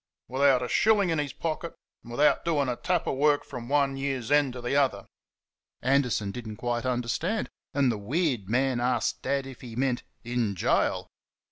"without a shilling in his pocket and without doing a tap of work from one year's end to the other?" Anderson did n't quite understand, and the weird man asked Dad if he meant "in gaol."